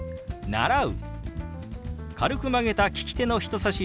「習う」。